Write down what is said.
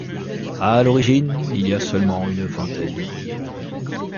À l’origine, il y a seulement une vingtaine d’ouvriers.